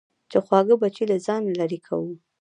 چې خواږه بچي له ځانه لېرې کوو.